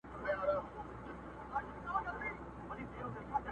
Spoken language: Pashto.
حقیقت در څخه نه سم پټولای٫